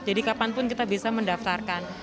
jadi kapanpun kita bisa mendaftarkan